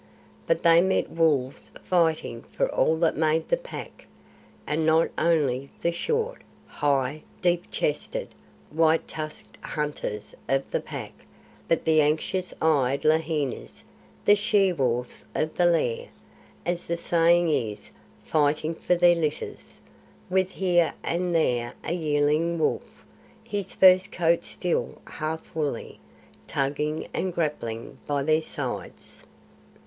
But they met wolves fighting for all that made the Pack, and not only the short, high, deep chested, white tusked hunters of the Pack, but the anxious eyed lahinis the she wolves of the lair, as the saying is fighting for their litters, with here and there a yearling wolf, his first coat still half woolly, tugging and grappling by their sides.